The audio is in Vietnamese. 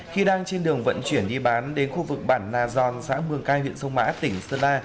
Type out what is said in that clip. khi đang trên đường vận chuyển đi bán đến khu vực bản na giòn xã mường cai huyện sông mã tỉnh sơn la